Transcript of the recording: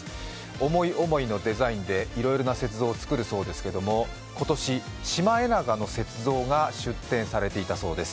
思い思いのデザインでいろいろな雪像を造るそうですけれども今年、シマエナガの雪像が出展されていたそうです。